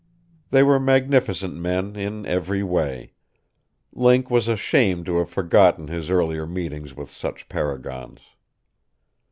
They were magnificent men, in every way. Link was ashamed to have forgotten his earlier meetings with such paragons.